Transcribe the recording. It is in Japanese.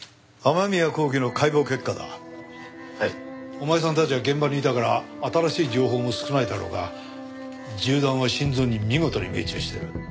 お前さんたちは現場にいたから新しい情報も少ないだろうが銃弾は心臓に見事に命中してる。